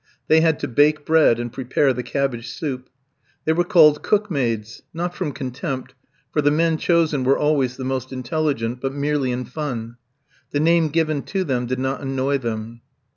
They had to bake bread and prepare the cabbage soup. They were called "cook maids," not from contempt, for the men chosen were always the most intelligent, but merely in fun. The name given to them did not annoy them.